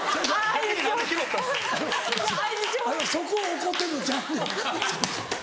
そこを怒ってんのちゃうねん。